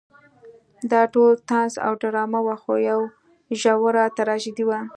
دا ټول طنز او ډرامه وه خو یوه ژوره تراژیدي وه.